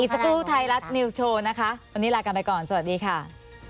สักครู่ไทยรัฐนิวส์โชว์นะคะวันนี้ลากันไปก่อนสวัสดีค่ะ